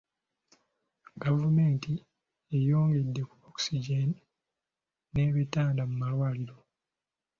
Gavumenti eyongedde ku Ogygen n’ebitanda mu malwaliro.